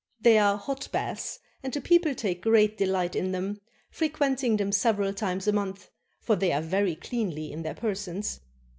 They are hot baths, and the people take great delight in them, frequenting them several times a month, for they are very cleanly in their persons.